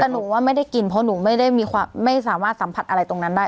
แต่หนูว่าไม่ได้กินเพราะหนูไม่ได้ไม่สามารถสัมผัสอะไรตรงนั้นได้